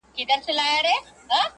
اوس به څوك راويښوي زاړه نكلونه!!